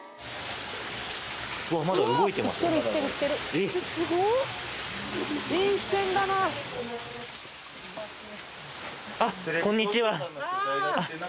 えっ？あっこんにちは。